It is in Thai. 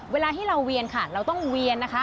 เวลาที่เราเวียนค่ะเราต้องเวียนนะคะ